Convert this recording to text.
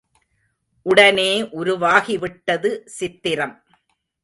உடனே உருவாகிவிட்டது சித்திரம்.